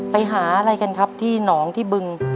ไปหาอะไรกันครับที่หนองที่บึง